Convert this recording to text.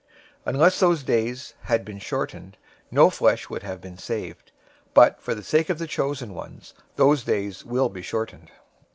024:022 Unless those days had been shortened, no flesh would have been saved. But for the sake of the chosen ones, those days will be shortened.